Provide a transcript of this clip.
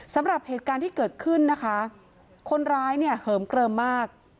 สำหรับเหตุการณ์ที่เกิดขึ้นนะคะคนร้ายเนี่ยเหิมเกลิมมาก